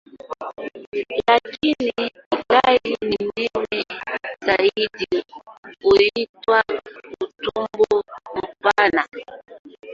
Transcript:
Lakini ilhali ni nene zaidi huitwa "utumbo mpana".